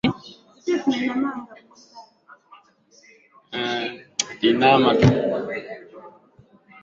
wamejichoma kama alivyofanya kijana huyu wakitaka mageuzi